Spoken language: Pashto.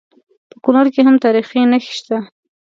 په کونړ کې هم تاریخي نښې شته